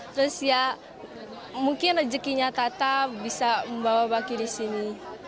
terus ya mungkin rezekinya tata bisa membawa baki di sini